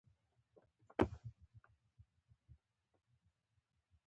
د بابونه ګل د څه لپاره وکاروم؟